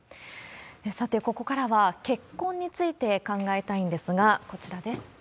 さて、ここからは結婚について考えたいんですが、こちらです。